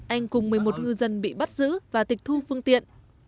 anh cùng một mươi một ngư dân bị bắt giữ và tịch thu phương tiện